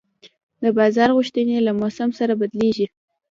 د بازار غوښتنې له موسم سره بدلېږي.